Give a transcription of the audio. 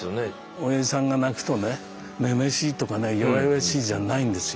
おやじさんが泣くとね女々しいとかね弱々しいじゃないんですよ